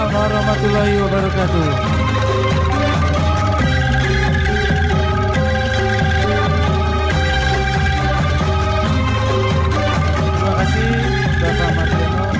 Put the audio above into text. terima kasih pak martiono